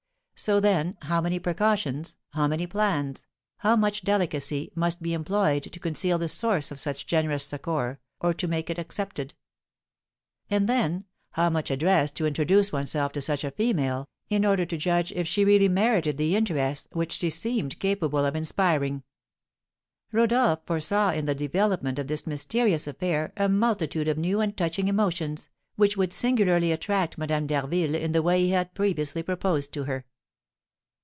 So, then, how many precautions, how many plans, how much delicacy, must be employed to conceal the source of such generous succour, or to make it accepted! And, then, how much address to introduce oneself to such a female, in order to judge if she really merited the interest which she seemed capable of inspiring! Rodolph foresaw in the development of this mysterious affair a multitude of new and touching emotions, which would singularly attract Madame d'Harville in the way he had previously proposed to her.